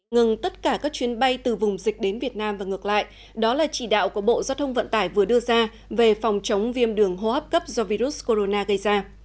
ngừng tất cả các chuyến bay từ vùng dịch đến việt nam và ngược lại đó là chỉ đạo của bộ giao thông vận tải vừa đưa ra về phòng chống viêm đường hô hấp cấp do virus corona gây ra